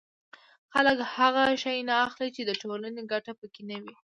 خلک هغه شی نه اخلي چې د ټولنې ګټه پکې نه وي